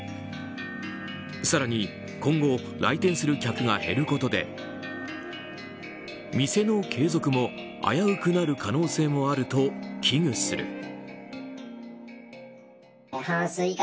更に今後来店する客が減ることで店の継続も危うくなる可能性もあると危惧する。